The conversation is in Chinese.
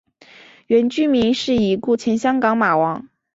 原居民是已故前香港马王。